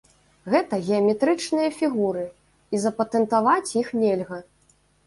Гэта геаметрычныя фігуры, і запатэнтаваць іх нельга.